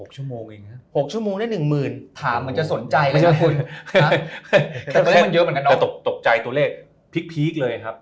๖ชั่วโมงเองครับ๖ชั่วโมงได้หนึ่งหมื่นถามมันจะสนใจเลยนะคุณแต่ตกใจตัวเลขพีคเลยครับ